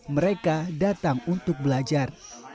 mereka datang untuk belajar